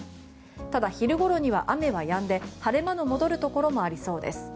ただ、昼ごろには雨はやんで晴れ間の戻るところもありそうです。